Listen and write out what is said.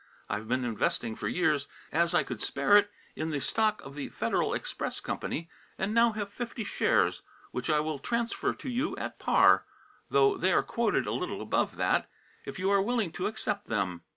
I have been investing for years, as I could spare it, in the stock of the Federal Express Company, and now have fifty shares, which I will transfer to you at par, though they are quoted a little above that, if you are willing to accept them.